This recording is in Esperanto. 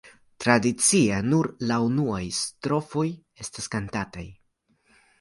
Tradicie, nur la unuaj du strofoj estas kantataj.